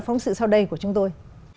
phóng sự sau đây của chúng tôi